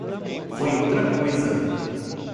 Foi outra coisa.